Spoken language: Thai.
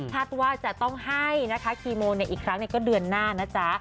คาดว่าจะต้องให้นะคะคีโมอีกครั้งก็เดือนหน้านะจ๊ะ